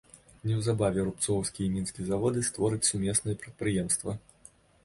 Неўзабаве рубцоўскі і мінскі заводы створаць сумеснае прадпрыемства.